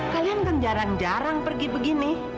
kalian kan jarang jarang pergi begini